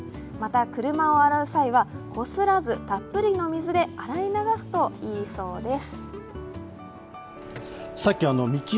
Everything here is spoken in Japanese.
車を洗う際はこすらずたっぷりの水で洗い流すといいそうです。